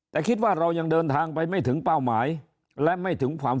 แต่คิดว่าเรายังเดินทางไปไม่ถึงเป้าหมายและไม่ถึงความ